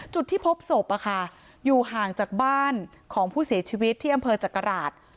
จุดที่พบศพอยู่ห่างจากบ้านของผู้เสียชีวิตที่อำเภอจักราช